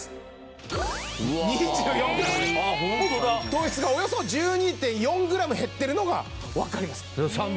糖質がおよそ１２．４グラム減ってるのがわかります。